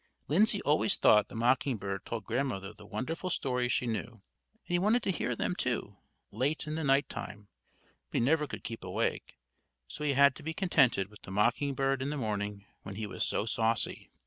Lindsay always thought the mocking bird told Grandmother the wonderful stories she knew, and he wanted to hear them, too, late in the night time; but he never could keep awake. So he had to be contented with the mocking bird in the morning, when he was so saucy.